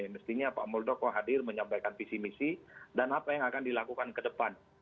menyampaikan visi visi dan apa yang akan dilakukan ke depan